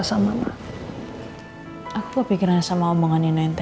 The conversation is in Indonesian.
adalah kamu bangun kat